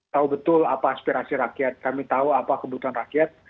tahu betul apa aspirasi rakyat kami tahu apa kebutuhan rakyat